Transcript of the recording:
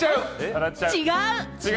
違う。